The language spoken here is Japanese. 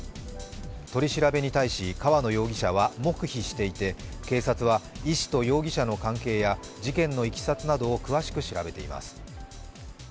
取り調べに対し川野容疑者は黙秘していて警察は医師と容疑者の関係や事件のいきさつなどを詳しく調べています。